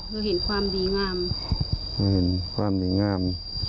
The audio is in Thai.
เราเห็นความดีงามเราเห็นความดีงาม